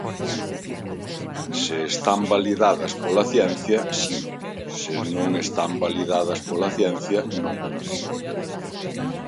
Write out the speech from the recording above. Se están validadas pola ciencia si, se non están validadas pola ciencia, non.